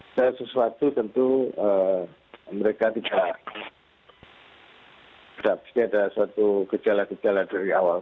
ada sesuatu tentu mereka tidak pasti ada suatu gejala gejala dari awal